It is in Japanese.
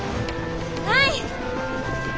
はい！